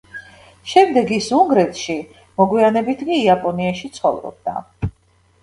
შემდეგ ის უნგრეთში, მოგვიანებით კი იაპონიაში ცხოვრობდა.